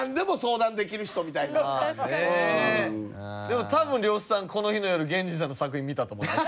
でも多分呂布さんこの日の夜原人さんの作品見たと思います。